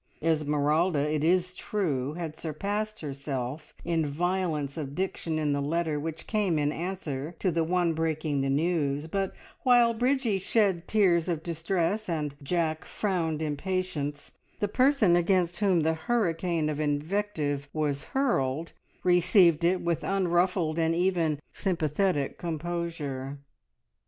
Esmeralda, it is true, had surpassed herself in violence of diction in the letter which came in answer to the one breaking the news; but while Bridgie shed tears of distress, and Jack frowned impatience, the person against whom the hurricane of invective was hurled, received it with unruffled and even sympathetic composure.